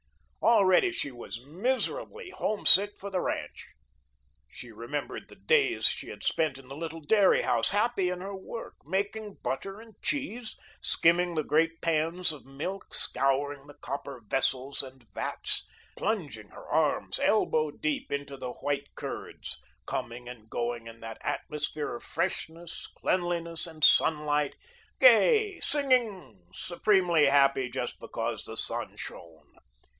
Already she was miserably homesick for the ranch. She remembered the days she had spent in the little dairy house, happy in her work, making butter and cheese; skimming the great pans of milk, scouring the copper vessels and vats, plunging her arms, elbow deep, into the white curds; coming and going in that atmosphere of freshness, cleanliness, and sunlight, gay, singing, supremely happy just because the sun shone.